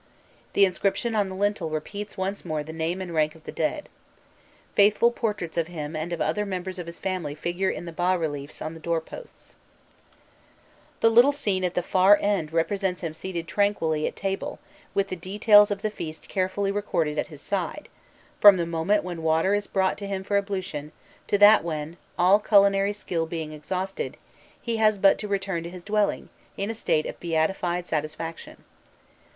The inscription on the lintel repeats once more the name and rank of the dead. Faithful portraits of him and of other members of his family figure in the bas reliefs on the door posts. [Illustration: 010.jpg STELE IN THE FORM OF A DOOR] The little scene at the far end represents him seated tranquilly at table, with the details of the feast carefully recorded at his side, from the first moment when water is brought to him for ablution, to that when, all culinary skill being exhausted, he has but to return to his dwelling, in a state of beatified satisfaction.